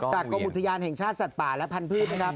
กรมอุทยานแห่งชาติสัตว์ป่าและพันธุ์นะครับ